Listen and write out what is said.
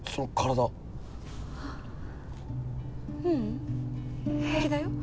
ううん平気だよ。